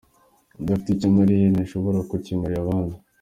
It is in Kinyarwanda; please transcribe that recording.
Udafite icyo yimariye ntashobora kukimarira abandi.